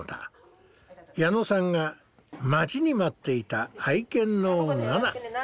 矢野さんが待ちに待っていた愛犬のナナ。来ましたよ。